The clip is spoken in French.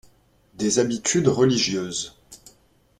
des habitudes religieuses.